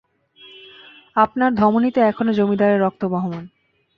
আপনার ধমনীতে এখনও জমিদারের রক্ত বহমান।